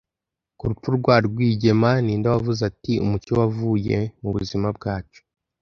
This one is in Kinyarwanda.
Ku rupfu rwa rwigema, ninde wavuze ati "Umucyo wavuye mu buzima bwacu… "